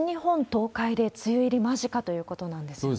東海で梅雨入り間近ということなんですね。